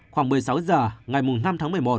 khoảng một mươi sáu h ngày năm tháng một mươi một